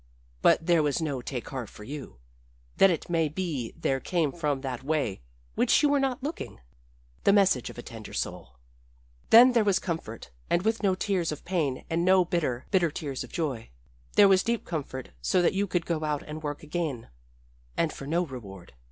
But there was no 'take heart' for you. Then it may be there came from that way which you were not looking, the message of a tender soul. Then there was comfort, and with no tears of pain and no bitter, bitter tears of joy. There was deep comfort so that you could go out and work again and for no reward.